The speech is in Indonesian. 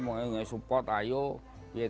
mengajaknya support ayo lukis